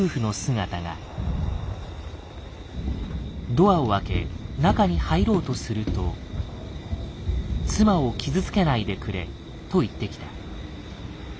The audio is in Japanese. ドアを開け中に入ろうとすると「妻を傷つけないでくれ」と言ってきた。